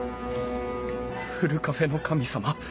ふるカフェの神様。